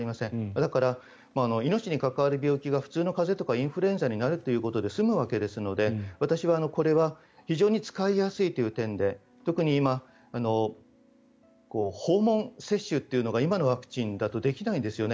だから、命に関わる病気が普通の風邪とかインフルエンザになることで済むわけですのでこれは非常に使いやすいという点で特に訪問接種というのが今のワクチンだとできないですよね。